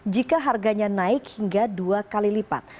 jika harganya naik hingga dua kali lipat